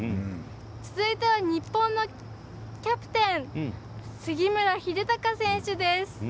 続いては、日本のキャプテン杉村英孝選手です。